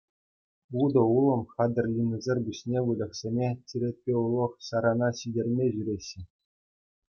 Утӑ-улӑм хатӗрленисӗр пуҫне выльӑхсене черетпе улӑх-ҫарана ҫитерме ҫӳреҫҫӗ.